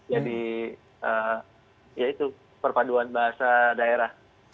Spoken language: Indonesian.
jadi ya itu perpaduan bahasa daerah